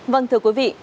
vâng thưa quý vị